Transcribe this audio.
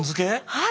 はい。